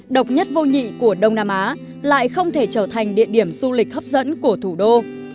độc nhất vô nhị của đông nam á lại không thể trở thành địa điểm du lịch hấp dẫn của thủ đô